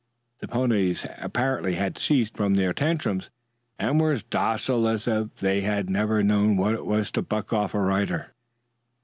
The ponies apparently had ceased from their tantrums and were as docile as if they had never known what it was to buck off a rider.